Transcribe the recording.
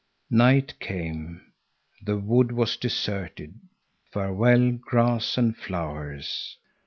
… Night came. The wood was deserted. Farewell, grass and flowers!